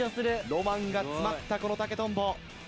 ロマンが詰まったこの竹とんぼ。